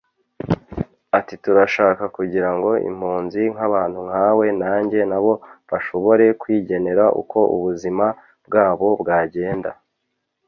Ati” Turashaka kugira ngo impunzi nk’abantu nkawe nanjye na bo bashobore kwigenera uko ubuzima bwabo bwagenda